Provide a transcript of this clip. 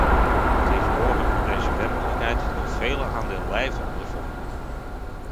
Tegenwoordig wordt deze werkelijkheid door velen aan den lijve ondervonden.